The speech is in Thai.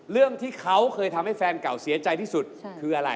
เรื่องที่เขาเคยทำให้แฟนเก่าเสียใจที่สุดคืออะไร